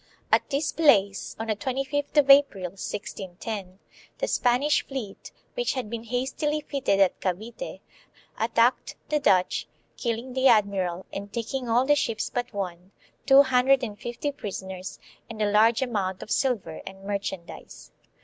At this place, on the 25th of April, 1610, the Spanish fleet, which had been hastily fitted at Cavite, attacked the Dutch, killing the admiral and taking all the ships but one, two hundred and fifty prisoners, and a large amount of silver and merchandise.